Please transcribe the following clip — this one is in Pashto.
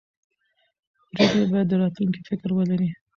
پرېکړې باید د راتلونکي فکر ولري